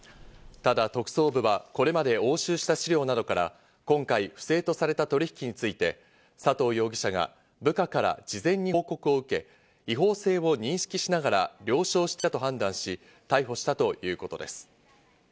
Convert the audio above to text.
ただ特捜部はこれまで押収した資料などから、今回不正とされた取引について佐藤容疑者が部下から事前に報告を受け、違法性を認識しながら了承していたと判断し、逮捕したということです。